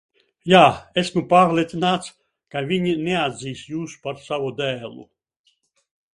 Jā, esmu pārliecināts, ka viņi neatzīs jūs par savu dēlu.